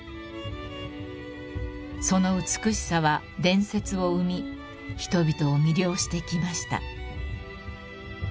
［その美しさは伝説を生み人々を魅了してきました］